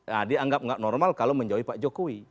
nah dianggap nggak normal kalau menjauhi pak jokowi